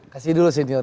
kasih dulu senior